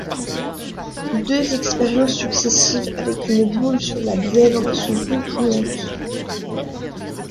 Deux expériences successives avec une boule sur la Bièvre sont concluantes.